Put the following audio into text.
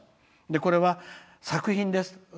これは作品です。